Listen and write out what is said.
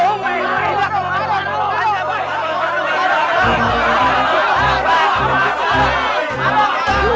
umi pindahkan mabu